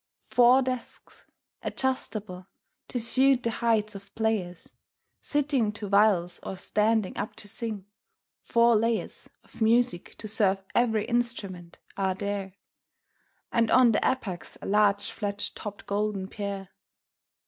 Four desks, adjustable, to suit the heights of players Sitting to viols or standing up to sing, four layers Of music to serve every instrument, are there, And on the apex a large flat topped golden pear.